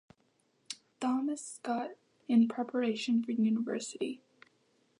Thomas Scott in preparation for university.